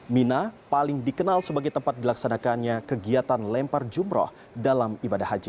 mina paling dikenal sebagai tempat dilaksanakannya kegiatan lempar jumroh dalam ibadah haji